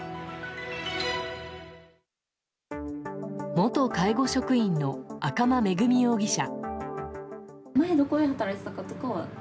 元介護職員の赤間恵美容疑者。